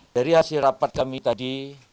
dari hasil rapat kami tadi